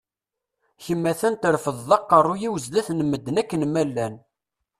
Kemm a-t-an trefdeḍ aqerruy-iw sdat n medden akken ma llan.